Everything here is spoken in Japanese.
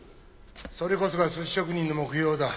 それこそが寿司職人の目標だ。